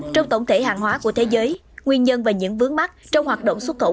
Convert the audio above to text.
trong tổng thể hàng hóa của thế giới nguyên nhân và những vướng mắt trong hoạt động xuất khẩu